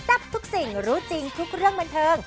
ทับทุกสิ่งรู้จริงทุกเรื่องบันเทิง